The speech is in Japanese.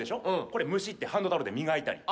これむしってハンドタオルで磨いたり。